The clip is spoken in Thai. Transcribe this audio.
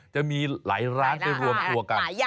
จะมีหลายร้านที่จะรวมทั่วกัน